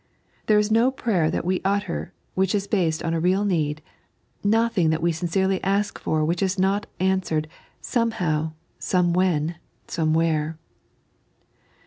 There is no prayer that wo utter which is based on a real need — nothing that we sincerely ask for which is not answered somehow, somewhen, somewhere.